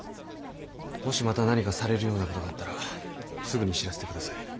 もしまた何かされるような事があったらすぐに知らせて下さい。